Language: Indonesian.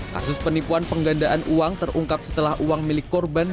kasus penipuan penggandaan uang terungkap setelah uang milik korban